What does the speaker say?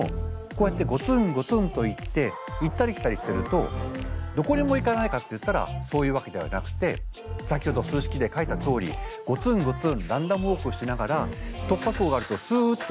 こうやってゴツンゴツンといって行ったり来たりしてるとどこにも行かないかっていったらそういうわけではなくて先ほど数式で書いたとおりゴツンゴツンランダムウォークしながら突破口があるとすっと行く。